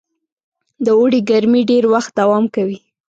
د اوړي ګرمۍ ډېر وخت دوام کوي.